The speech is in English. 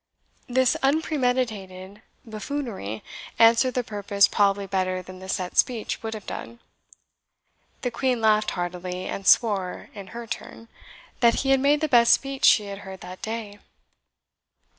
This unpremeditated buffoonery answered the purpose probably better than the set speech would have done. The Queen laughed heartily, and swore (in her turn) that he had made the best speech she had heard that day.